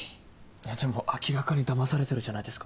えっでも明らかにだまされてるじゃないですか。